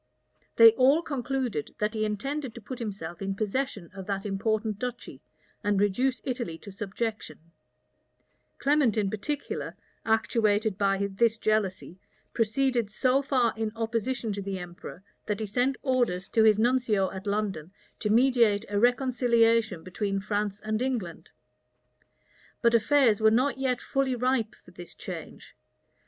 [*] They all concluded, that he intended to put himself in possession of that important duchy, and reduce Italy to subjection: Clement in particular, actuated by this jealousy, proceeded so far in opposition to the emperor, that he sent orders to his nuncio at London to mediate a reconciliation between France and England. But affairs were not yet fully ripe for this change.